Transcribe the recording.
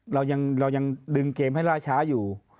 เรายังดึงเกมให้ล่าช้าอยู่